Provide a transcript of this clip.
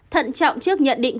thận trọng trước nhận định